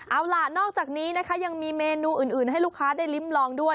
เอาล่ะนอกจากนี้นะคะยังมีเมนูอื่นให้ลูกค้าได้ลิ้มลองด้วย